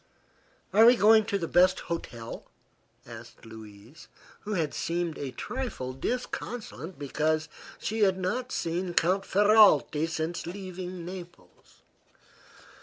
"Are we going to the best hotel?" asked Louise, who had seemed a trifle disconsolate because she had not seen Count Ferralti since leaving Naples.